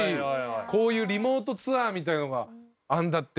こういうリモートツアーみたいなのがあるんだって。